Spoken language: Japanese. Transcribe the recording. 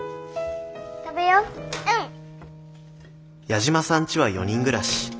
矢島さんちは４人暮らし。